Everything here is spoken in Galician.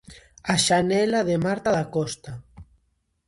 A xanela de Marta Dacosta.